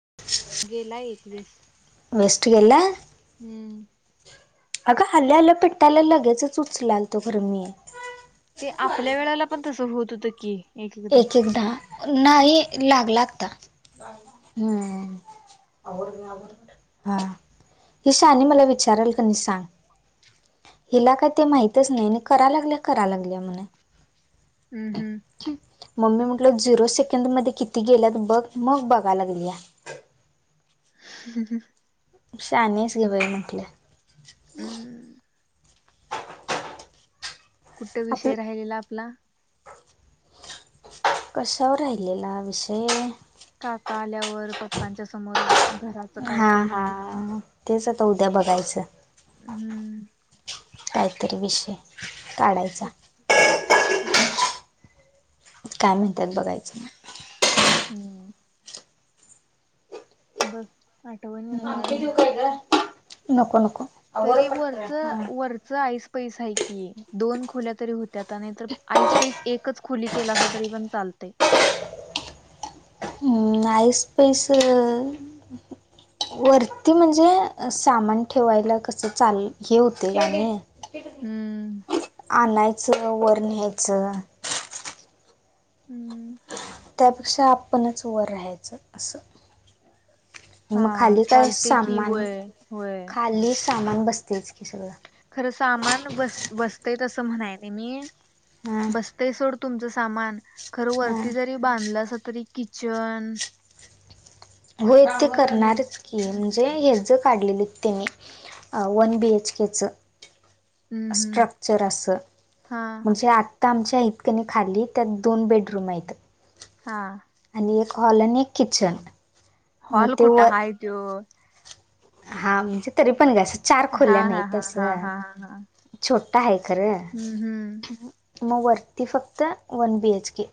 [inaudible] गेला एकवीस. वेस्ट गेला. हम्म. अगं आल्या आल्या पेटला लगेचच उचलालतो खरं मी. ते आपल्या वेळेला पण तसं होत होतं की. एक एकदा, नाही. लागला आत्ता. हम्म. हा ही शहाणी मला विचाराल कनी सांग. हिला काय ते माहितच नाही आणि करा लागल्या करा लागल्या म्हणं. हम्म हम्. मम्मी म्हंटल झिरो सेकंड मध्ये किती गेल्यात बघ मग बघाय लागलीया. ह. शहाणी आहेस की बाई म्हटलं. हम्. कुठ आपलं विषय राहिलेला आपला. कशावर राहिलेला विषय. काका आल्यावर पप्पांच्या समोर. घराचं हा काढतो म्हण हा. ह तेच आता उद्या बघायचं, हम्म काहीतरी विषय. काढायचा. [unintelligible] काय म्हणतात बघायचं ना. हम्म. बस घेऊ काय ग नको नको. आवर तरी पटकन वरचं हा. वरचं आईस पैस आहे की दोन खोल्या तरी होत्याता नाहीतर आईस पैस एकच खोली केलासा तरी पण चालतय. ऐस पैस अ [inaudible] वरती म्हणजे सामान ठेवायला कस चाल हे होतय आणि हम्म. आणायचं वर न्यायचं. हम्म त्यापेक्षा आपणच वर राहायचं असं. हा मग खाली काय चालतय की सामान होय होय खाली सामान बसतयच की सगळं खरं सामान बस बसतय तसं म्हणाय नाही मी हा बस ते सोड तुमचं सामान खरं हा वरती जरी बांधलासा तरी किचन होय ते करणारच की म्हणजे हे ज काढलेलीत तेनी अ वन बी एच के च हम्म हम्म स्ट्रक्चर असं हा म्हणजे आत त आमच्या हाईत कणी खाली त्यात दोन बेडरुम हाईत हा आ आणि एक हॉल आणि एक किचन मग हॉल ते कुठ वर हाय त्यो हा म्हणजे तरी पण ग असं चार हा खोल्या नाही हा हा हा तसं हा हा हा छोटं हाय खरं हम्म हम्म अ ह मग वरती फक्त वन बी एच के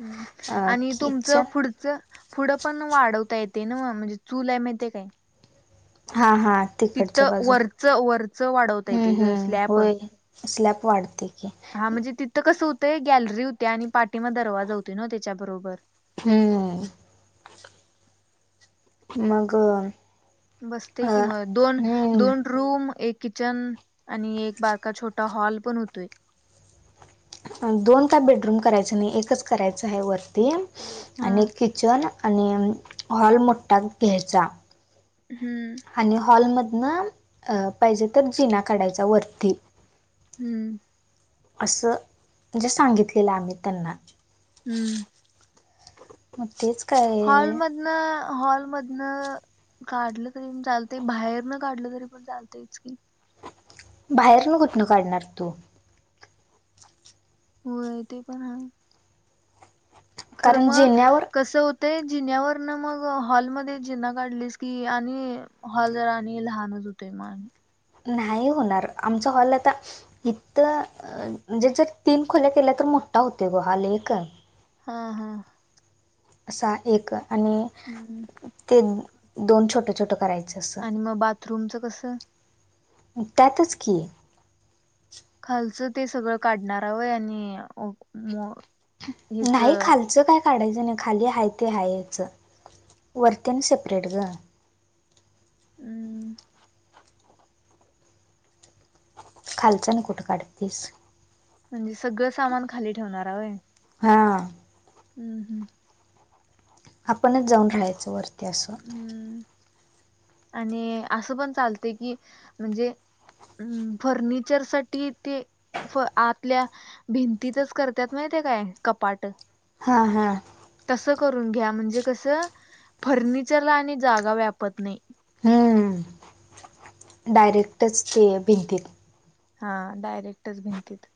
हम्म आणि तुमचं किचन पुढ च पुढं पण वाढवता येतंय नव म्हणजे चुलआहे माहित्याच काय हा हा तिकडच्या तिथं बाजूला वरचं वरचं वाढवता ह येते ह ग स्लॅप होय स्लॅप वाढतय हा म्हणजे तिथ अस होतय गॅलरी होत्पा आणि पाठी मागे दरवाजा होतय नवं त्याच्या बरोबर हम्म मग अ बसतय की मग दोन अं हम्म दोन रूम एक किचन आणि एक बारका छोटा हॉल पण होतोय ह दोन काय बेडरूम करायचं नाही एकच करायच हाय हा वरतीआणि कि किचन आणि हॉल मोठ्ठा घ्यायचा हम्म आणि हॉलमधनं अ पाहिजे तर जिना काढायचा वरती हम्म असं म्हणजे सांगितलेलं आम्ही त्यांना हम्म मग तेच काय न हॉल मधनं काढलं तरी पण चालतय बाहेर न काढलं तरी पण चालतय च की बाहेरन कुठन काढणार तू होय ते पण हाय खरं कारण मग जिन्यावर कसं होतय ते जिन्यावरन मग हॉलमध्ये जिना काढलीस की आणि हॉल आणि लहानच होतय मग आणि नाही होणार आमचा हॉल आता हितं म्हणजे जर तीन खोल्या केल्या तर मोठा होतोय ग हॉल एक हा हा असा एक आणि हम्म ते दोन छोट छोट करायचं. असं आणि मग बाथरूमच कसं त्यातच की खालचं ते सगळं काढणारा वंय आणि हेच न्हाही खालचं काय काढायचं नाही खाली हाय ते हा यच वरती आणि सेपरेट ग हम्म खालच न कुठं काढतीस म्हणजे सगळं सामान खाली ठेवणार हाय व्हय हा हम् हम्म आपणच जाऊन राहायचं वरती असं हम्म आणि असं पण चालते. की म्हणजे हम् फर्निचर साठी ते आतल्या भिंतीतच करतात. माहितीये काय कपाट हा हा तसं करून घ्या म्हणजे कस फर्निचरला आणि जागा व्यापत नाही. हम्म डायरेक्टच ते भिंती हा डायरेक्टच भिंतीत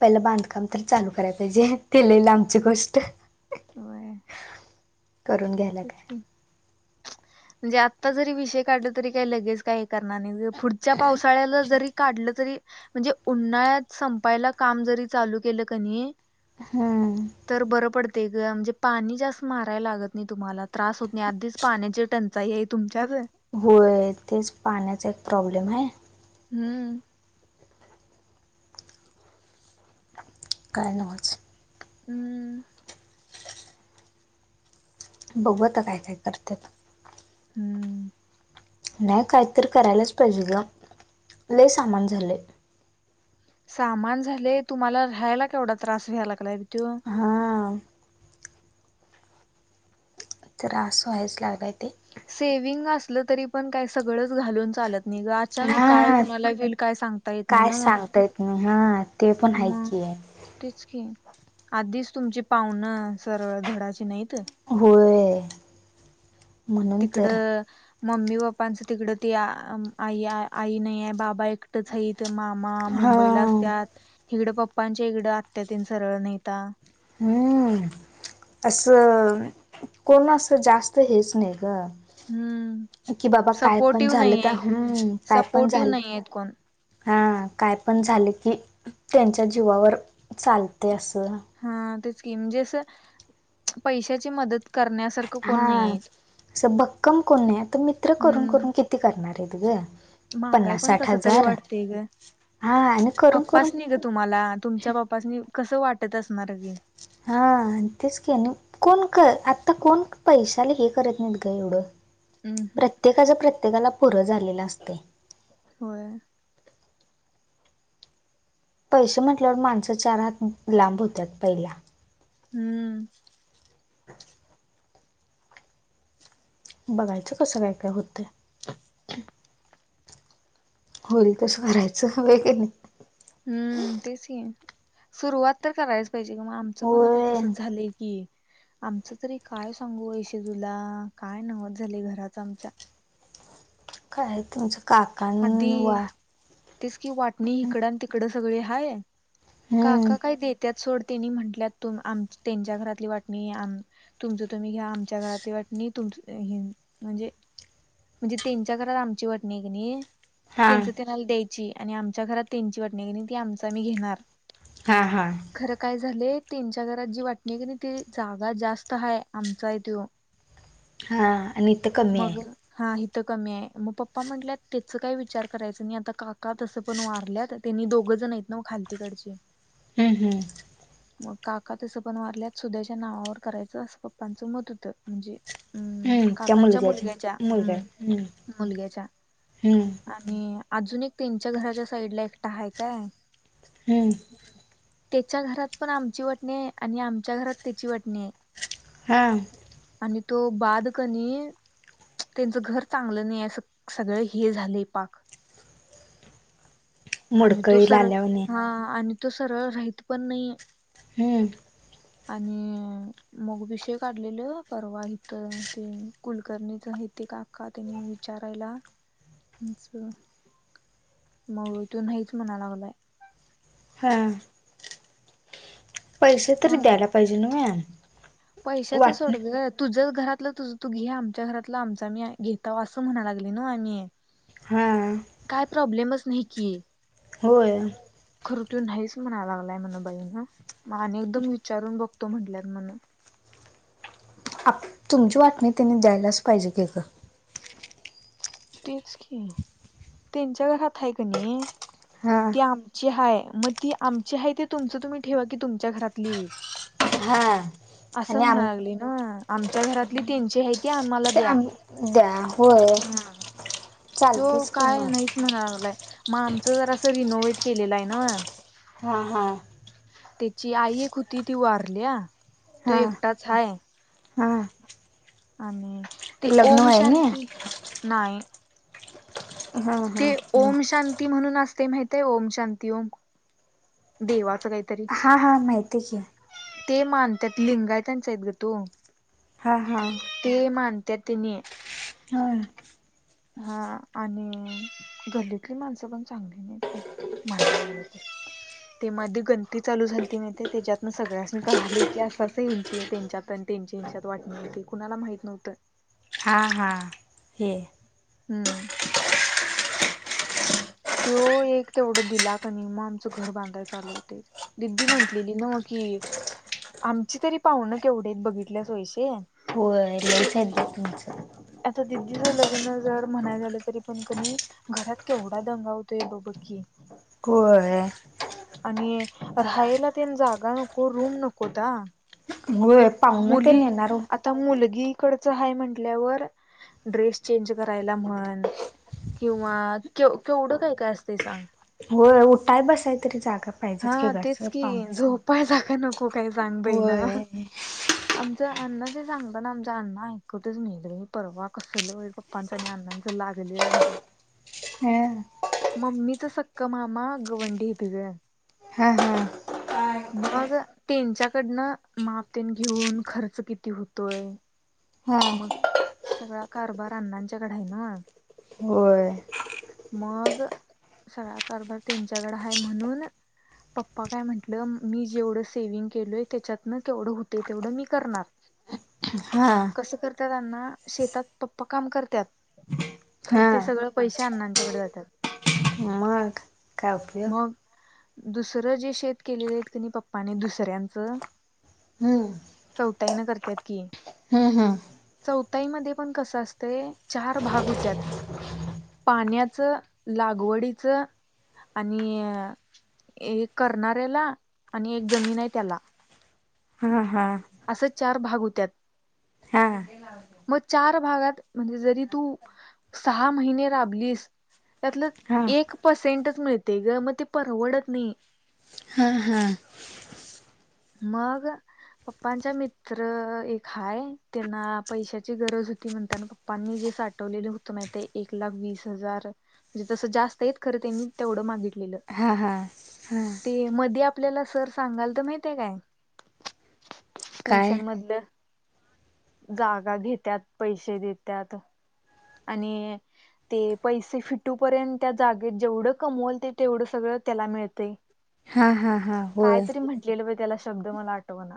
पहिलं बांधकाम तर चालू कराय पाहिजे तेल लांबची गोष्ट होय करून घ्या इचकी [inaudible] म्हणजे आत्ता जरी विषय काढला. तरी काही लगेच काय करणार नाही. पुढच्या पावसाळ्याला जरी काढलं तरी म्हणजे उन्हाळ्यात संपायला काम जरी चालू केलं कनी हा तर बरं पडते ग म्हणजे पाणी जास्त मारायला लागत. नाही तुम्हाला त्रास होत नाही. आधीच पाण्याची टंचाई आहे तुमच्याच होय तेच पाण्याचा एक प्रॉब्लेम आहे. हम्म कायनाच हम्म बघत काय काय करते. हम्म नाही काहीतरी करायलाच पाहिजे ग ल सामान झाले. सामान झाले तुम्हाला राहायला केवढा त्रास व्याय लागलाय हा त्रास व्हायच लागलाय. ते सेव्हंग असलं तरी पण काय सगळंच घालून चालत. नि ग अचानक काय हा कोणाला गल काय सांगता येत नाही. काय ना मग सांगता येत हा ते पण मग ऐकी आहे. तेच की आधीच तुमची पाहणं सरळ धडाची नाहीत. हो तर तिकडं मम्मी पप्पांचं तिकडं ती आई आई नाही. आहे बाबा एकटाच आहेत मामा हा मुंबईला असतात इकडे पप्पांच्या इकडे आत्यातन सरळ नता हम्म असं कोण असं जास्त हेच नाही हम्म ग कि बाबा काय पण सपोर्टिव्ह झालं नाही तर आहे हम् काय पण सपोर्टिव्ह झालं नाही आहेत कोण हा काय पण झाले की त्यांच्या जीवावर चालते असं हा तेच ककीम म्हणजे अस पैशाची मदत करण्यासारख हा असं भक्कम कोण आहे तर मित्र करून करून किती करणार आहे तु ग मागाय पन्नास पण साठ कस तरी हजार वाटतेय ग हा आणि करून करून पप्पाच नाही ग तुम्हाला तुमच्या बाप्ासनी कसं वाटत असणार की हा तेस क आणि कोण क आता कोण पैशाला हे करत नाहीत ग एवढं हम् हम प्रत्येकाच प्रत्येकाला पुरं झालेलं असते हो पैसे म्हटल्यावर माणस चार हात लांब होतात. पहिला हम्म अच्छ [inaudible] बघायचं कसं काय काय होतं. होळी कस भरायचं वगर नाही. हम्म तेच सुरुवात तर करायच पाहिजे किंवा आमचं पण आता होय तसंच झालंय की आमचं तरी काय सांगू वैश तुला काय नवत झाले घराच आमच्या काय तुमचं काकण आधी वा की वाटणी इकड आणि तिकड सगळे हाय हम्म काका काय देत त्यात सोड त्यांनी म्हंटल्या तु त्यांच्या घरातली वाटणी तुमचं तुम्ही घ्या आमच्या घरातली वाटणी तुम म्हणजे म्हणजे त्यांच्या घरात आमची वाट नाही क नाही त हा त्यांच त्यांनाला द्यायची आणि आमच्या घरात त्यांची वाट नाही क ती आमच आी घेणार हा हा खरं काय झालंय त्यांच्या घरात जी वाटणी आहे का नाही ते जागा जास्त हाय आमचाय त [inaudible] हा आणि इथ कमी आहे हा हि तर कमी आहे मग पप्पा म्हटल्या त्याच काय विचार करायच नाही आता का का तसं पण वारल्यात त्यांनी दोघं जण आहेत ना खालतीकडचे हम्म हम्म मग काका तसं पण वारल्यात सुध्याच्या नावावर करायचं असं पप्पांचं मत होतं म्हणजे हम्म त्यामुळे काकांच्या लजच मुलग्याच्या मुलगा हम्म हम्म मुलग्याच्या हम्म आणि अजून एक त्यांच्या घराच्या साईड ला एकटा आहे काय हम्म त्याच्या घरात पण आमची वाटणी आणि आमच्या घरात त्याची वाटणी आहे हां आणि तो बादकनी त्यांचं घर चांगलं नाही अस सगळ हे झालंय पाक आणि तो मोडकळीला सरळ आल्यावानी हा आणि तो सरळ राहत पण नाही हम्म आणि मग विषय काढलेलं परवा इथ ते कुलकर्णीच आहे ते का का त्यांनी विचारायला म्हच मग तूनहीच म्हणाय लागलय हा पैसे तरी मग द्यायला पाहिजे न म पैशाच सोड ग तुझं घरातलं तुझ तू घे आमच्या घरातलं आमच आम् घेता असं म्हणा लागले ना आम्ही हा काय प्रॉब्लेमच नाही की होय खरटी नाहीच म्हणायला लागलाय म्हण बाई ना मग आणि एकदम विचारून बघतो म्हंटल्यात म्हण आप तुमची वाटणी त्यांनी द्यायलाच पाहिजे केक तेच की त्यांच्या घरात आहे का नाही हा ते आम आ ह मग ती आमची आहे त तुमच तुम्ही ठेवा कि तुमच्या घरातली हा असं आणि म्हणा आम लागली ना आमच्या घरातली तीनश आहेत न मला ते द्या आम द्या होय हा तो चालतेच की काय मग नाहीच म्हणालाय मग आमचं जर असं रिनोव्ट केलेलं आहे ना हां हां त्याची आई एक होती ती वारली तू हा एकटाच हाय हा आणि ते लग्न ओम व्हाय ना शांती नाही हा हा ते ओम शांती म्हणून असते माहिती ते ओम शांती ओम देवाचं काही हा हा माहिती आहे की ते मानतात लिंगाय त्यांच आहेत ग तू हा हा ते मानत तिने हा हा आणि घल्लीतली माणसं पण चांगली नाही मनावालाग ते म गंती चालू झालती मा त्याच्यातन सगळ्यांसनी कळाले की असंच हची त्यांच्यात त्यांच्या इंच्याात वाटणी ते कुणाला माहित नव्हतं हां हां हे हम्म तो एक तेवढं दिला क नाही मग आमचं घर बांधाय चालू होते दििदी म्हंटलेली ना म कि आमची तरी पाहुण केवढे बघितल्या सोयशन स ब तुमच आता दिदीच लग्न जर म्हणाय झालं तरी पण कध घरात केवढा दंगावतोय बाबाकीी क आणि रायला ते जागा नको रूम नकोता हो पाहून का न येणार हो आता मुलगीकडच आहे म्हटल्यावर ड्रेस चेंज करायला म्हण किंवा केवढं काय काय असते सांग हो उठाय बसाय तरी जागा हा पाहिजेच की तेच घरचं की पाहुणेच झोपाळ जाग नको काही सांग बई ना होय आमच अण्णा जे सांगत ना आमचा अण्ना ऐकटच मिल परवा कसलं व पप्पांचं आणि अण्ांचं लागली आहे घरात हम मम्मीचा सक्क मामा गवंडी इथं ग हा हा मग त्यांच्याकडनं माफतेन घेऊन खर्च किती होतोय हा मग सगळा कारभार अण्णांच्याकडे आहे ना होय मग सगळ कभर त्यांच्याकड आहे म्हणून पप्पा काय म्हंटलं मी जेवढं सेवि्हंग केलोय त्याच्यातन केवढं होते तेवढं मी करणार हा कस करत्या त्यांना शेतात पप्पा काम करत्यात खर हा ते सगळ पैसे अण्णांच्याकडे जातात मग काय उपयोग मग दुसर जे शेत केलेलयेत कि आहेत पप्पानी दुसऱ्यांच हम् चौताई न करत्यात की हा हा चौथाईमध्ये पण कस असतय चार भाग होत्यात पाण्याच लागवडीच आणि एक करणाऱ्याला आणि एक जमीन आहे त्याला हा हा असं चार भाग होत्यात ह मग चार भागात म्हणजे जरी तू सहा महिने राबलीस त्यातल हा हा एक पर्सेंटच मिळते ग मग ते परवडत नाही हा हा मग पप्पांचा मित्र एक हाय त्यांना पैशाची गरज होती म्हणतात पप्पांनी जे साठवलेले होत नाही ते एक लाख वीस हजार म्हणे तस जास्त आहे खर त्यांनी तेवढ मागितलेल हा हा हा ते मधल्या आपल्याला सर सांगाल तर माहितेय काय काय ट्युशन मधल जागा घेत्यात पैसे देत्यात आणि ते पैसे फिटूपर्यंत त्या जागेत जेवढ कमवल ते तेवढ सगळ त्याला मिळतय हा हा हा होय केल बाई त्याला शब्द मला आठव ना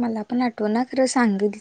मला पण आठव ना खर सांगित